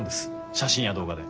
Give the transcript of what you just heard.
写真や動画で。